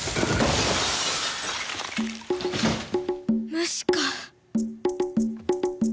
無視か